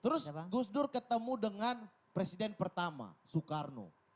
terus gus dur ketemu dengan presiden pertama soekarno